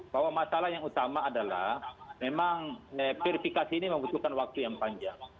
bahwa masalah yang utama adalah memang verifikasi ini membutuhkan waktu yang panjang